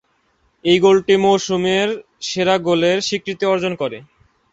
এই গোলটি মৌসুমের সেরা গোলের স্বীকৃতি অর্জন করে।